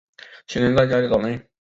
起身在家里找人